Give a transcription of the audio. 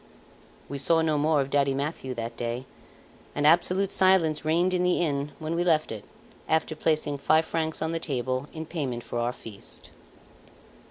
We saw no more of Daddy Mathieu that day, and absolute silence reigned in the inn when we left it, after placing five francs on the table in payment for our feast.